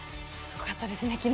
すごかったですね